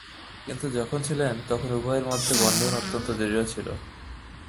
কিন্তু যখন ছিলেন তখন উভয়ের মধ্যে বন্ধন অত্যন্ত দৃঢ় ছিল।